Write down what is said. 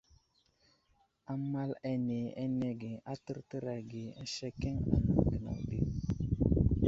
Amal ane anege a tərtər age asekeŋ anaŋ gənaw ɗi.